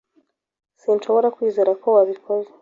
Sinshobora kwizera ko wabikoze.